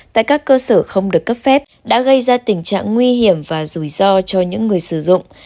tại các cơ sở không được cấp phép đã gây ra tình trạng nguy hiểm và rủi ro cho những người sử dụng